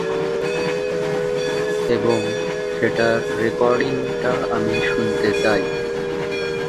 কিংবদন্তি বলে, তিনি শেষ বুলেট পর্যন্ত লড়াই করেছিলেন।